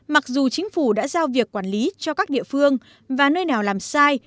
mặc dù chính phủ đã giao việc quản lý cho các địa phương và nơi nào làm sai